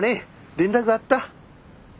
連絡あった。